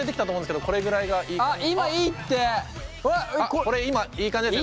これ今いい感じですね。